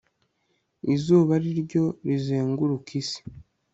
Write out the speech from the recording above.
izuba ariryo rizenguruka isi